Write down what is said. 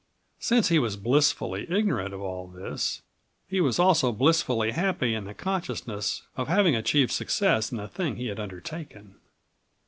Since he was blissfully ignorant of all this he was also blissfully happy in the consciousness of having achieved success in the thing he had undertaken.